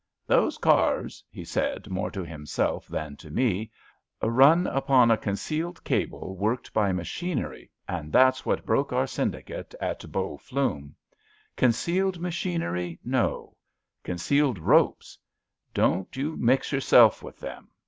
*^ Those cars, '' he said, more to himself than to me, ^^ run upon a concealed cable worked by machin ery, and that's what broke our syndicate at Bow Flume. Concealed machinery, no— concealed ropes. Don't you mix yourself with them.